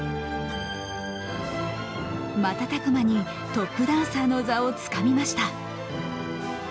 瞬く間にトップダンサーの座をつかみました。